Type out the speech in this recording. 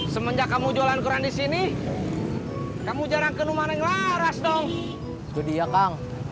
semenjak kamu jualan quran di sini kamu jarang ke rumah yang laras dong